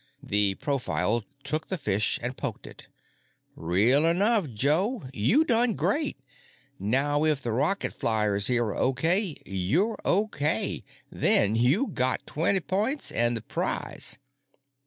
The profile took the fish and poked it. "Real enough, Joe. You done great. Now if the rocket flyers here are okay you're okay. Then you got twenny points and the prize.